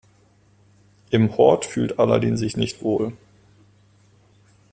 Im Hort fühlt Aladin sich nicht wohl.